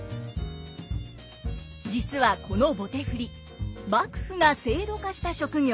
実はこの棒手振幕府が制度化した職業。